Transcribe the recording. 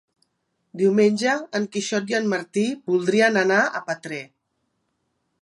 Diumenge en Quixot i en Martí voldrien anar a Petrer.